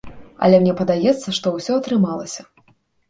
Але мне падаецца, што ўсё атрымалася.